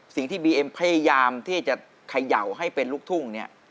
บีเอ็มพยายามที่จะเขย่าให้เป็นลูกทุ่งเนี่ย